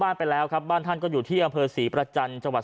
ไปแล้วครับบ้านท่านก็อยู่ที่อำเภอศรีประจันทร์จังหวัด